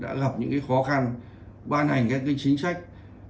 đã gặp những khó khăn ban hành các chính sách